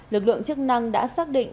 lực lượng chức năng đã xác định